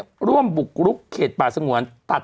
กรมป้องกันแล้วก็บรรเทาสาธารณภัยนะคะ